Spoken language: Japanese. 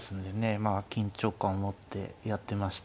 まあ緊張感を持ってやってました。